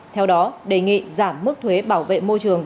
theo đó đề nghị giảm mức thuế bảo vệ môi trường